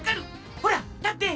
ほらたって！